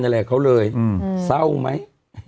อะแหลกเขาเลยเศร้าไหม